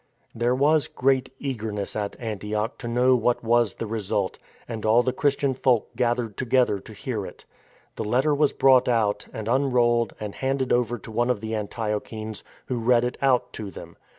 There was great eagerness at Antioch to know what was the result, and all the Christian folk gathered to gether to hear it. The letter was brought out and un rolled and handed over to one of the Antiochenes, who read it out to them.